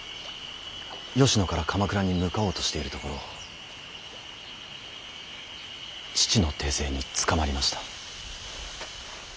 吉野から鎌倉に向かおうとしているところを父の手勢に捕まりました。